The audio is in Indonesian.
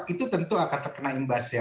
itu tentu akan terkena imbas ya